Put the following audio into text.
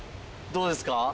どうですか？